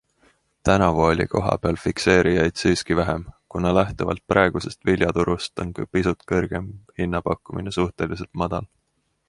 Tänavu oli kohapeal fikseerijaid siiski vähem, kuna lähtuvalt praegusest viljaturust on ka pisut kõrgem hinnapakkumine suhteliselt madal.